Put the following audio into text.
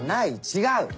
違う！